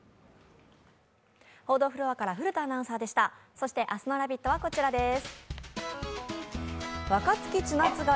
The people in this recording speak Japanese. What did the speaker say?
そして明日の「ラヴィット！」はこちらです